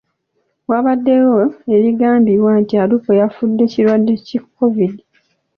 Wabaddewo ebigambibwa nti Alupo yafudde kirwadde ki Kovidi.